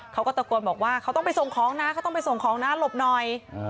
เขาก็ตะโกนบอกว่าเขาต้องไปส่งของนะเขาต้องไปส่งของนะหลบหน่อย